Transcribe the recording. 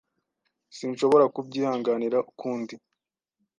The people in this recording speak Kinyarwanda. Sinshobora kubyihanganira ukundi!